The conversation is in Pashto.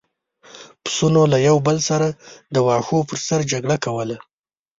پسونو له یو بل سره د واښو پر سر جګړه کوله.